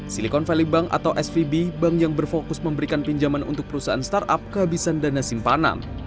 silicon valley bank atau svb bank yang berfokus memberikan pinjaman untuk perusahaan startup kehabisan dana simpanan